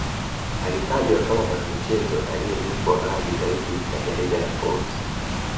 alitajwa kama mwanamichezo anayelipwa ghali Zaidi na jarida la forbes